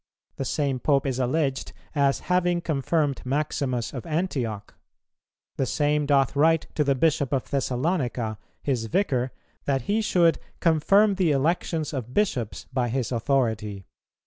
The same Pope is alleged as having confirmed Maximus of Antioch. The same doth write to the Bishop of Thessalonica, his vicar, that he should 'confirm the elections of bishops by his authority.'